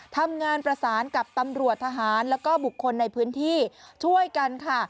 ทำงานประสานกับตำรวจทหารแล้วก็บุคคลในพื้นที่ช่วยกันค่ะ